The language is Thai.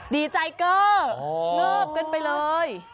ดีใจเกอร์เงิบกันไปเลย